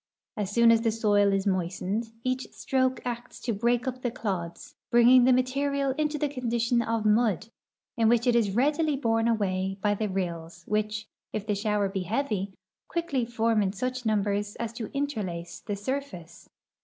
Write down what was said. As soon as the soil is moistened, each stroke acts to break uj) the clods, bringing the material into the condition of mud, in which it is readily borne away by the rills which, if the shower be heavy, quickly form in such numbers as to interlace the surface.